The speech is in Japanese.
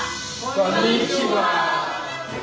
こんにちは！